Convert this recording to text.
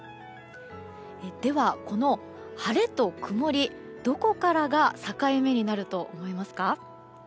では、この晴れと曇りどこからが境目になると思いますか？